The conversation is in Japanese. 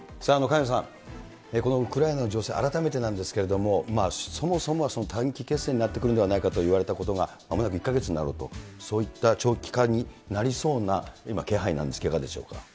萱野さん、このウクライナの情勢、改めてなんですけれども、そもそもは短期決戦になってくるんではないかといわれたことが、まもなく１か月になろうと、そういった長期化になりそうな今、気配なんですが、いかがでしょうか。